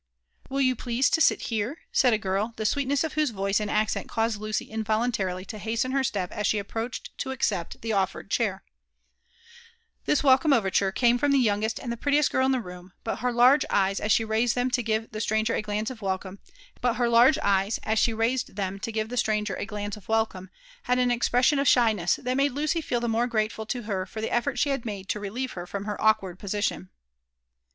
'*'Will you please to sit here? "said a girl, the sweetness of whose voice and accent caused Lucy involuntarily to hasten her stepassfie approached to accept the olfered chair. This welcome overture came from the youngest and the prettiest girl in the rOom ; but her large eyes, as she raised them lo give the' stranger a glance of welcome, hali an expression of shyness that made Lucy feel Che more grateful to her for the e(Torl she liad made to relieve her from her awkward |>osition.